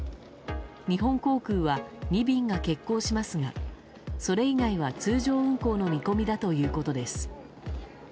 日本航空は２便が欠航しますがそれ以外は通常運航の見込みだということです。